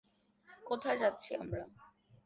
কোথায় যাচ্ছি আমরা?